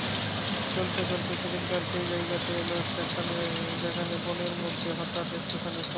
চলতে চলতে সেদিনকার সেই জায়গাতে এল যেখানে বনের মধ্যে হঠাৎ একটুখানি ফাঁক।